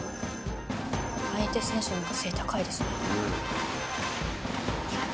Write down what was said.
「相手選手の方が背高いですね」